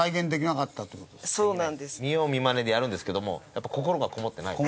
見よう見まねでやるんですけどもやっぱ心がこもってない。